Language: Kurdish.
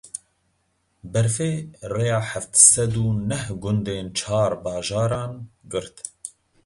Berfê rêya heft sed û neh gundên çar bajaran girt.